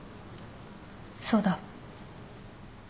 そうだ。